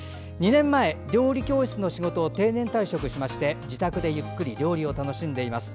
２年前、料理教室の仕事を定年退職しまして自宅でゆっくり料理を楽しんでいます。